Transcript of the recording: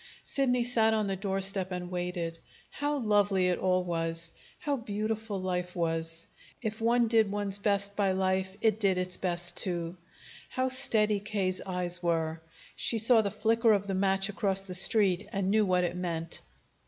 Sidney sat on the doorstep and waited. How lovely it all was! How beautiful life was! If one did one's best by life, it did its best too. How steady K.'s eyes were! She saw the flicker of the match across the street, and knew what it meant.